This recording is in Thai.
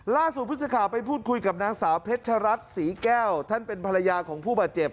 ล่าสุดผู้สื่อข่าวไปพูดคุยกับนางสาวเพชรัตนศรีแก้วท่านเป็นภรรยาของผู้บาดเจ็บ